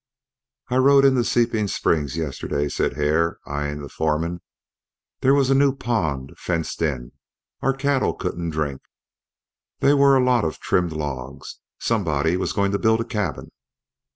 "I rode in to Seeping Springs yesterday," said Hare, eying the foreman. "There was a new pond, fenced in. Our cattle couldn't drink. There were a lot of trimmed logs. Somebody was going to build a cabin.